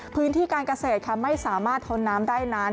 พื้นที่การเกษตรค่ะไม่สามารถทนน้ำได้นั้น